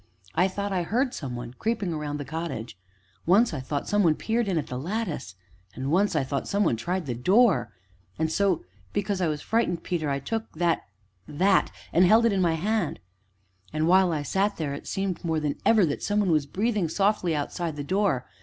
I thought I heard some one creeping round the cottage. Once I thought some one peered in at the lattice, and once I thought some one tried the door. And so because I was frightened, Peter, I took that that, and held it in my hand, Peter. And while I sat there it seemed more than ever that somebody was breathing softly outside the door.